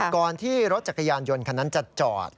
ก่อนที่รถจักรยานยนต์คันนั้นจะจอด